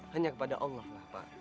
hanya kepada allah lah pak